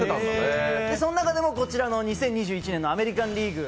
その中でも２０２１年のアメリカン・リーグ